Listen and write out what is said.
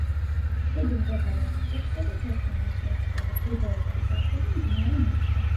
ხიდი მდებარეობს იქ სადაც ერთმანეთს უერთდება გრიბოედოვის არხი და მდინარე მოიკა.